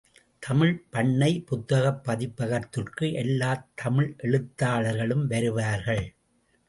தமிழ்ப்பண்ணை புத்தகப் பதிப்பகத்திற்கு எல்லாத் தமிழ் எழுத்தாளர்களும் வருவார்கள்.